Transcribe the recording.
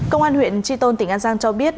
công an huyện tri tôn tỉnh an giang cho biết